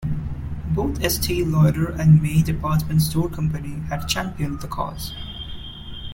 Both Estee Lauder and May Department Store Company had championed the cause.